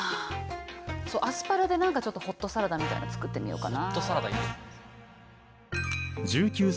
そうアスパラで何かちょっとホットサラダみたいなの作ってみようかな。